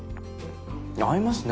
合いますね！